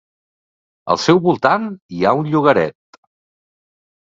Al seu voltant hi ha un llogaret.